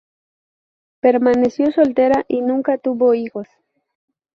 Permaneció soltera y nunca tuvo hijos.